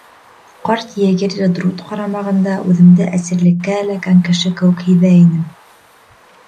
Ҡарт егерь Редрут ҡарамағында үҙемде әсирлеккә эләккән кеше кеүек һиҙә инем.